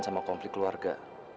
sama konflik keluarga